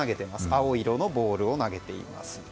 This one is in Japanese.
青色のボールを投げています。